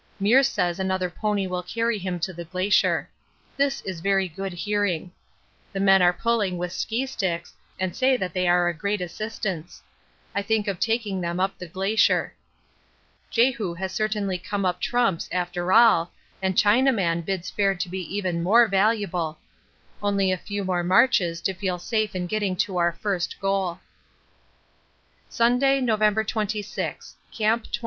Meares says another pony will carry him to the Glacier. This is very good hearing. The men are pulling with ski sticks and say that they are a great assistance. I think of taking them up the Glacier. Jehu has certainly come up trumps after all, and Chinaman bids fair to be even more valuable. Only a few more marches to feel safe in getting to our first goal. Sunday, November 26. Camp 22.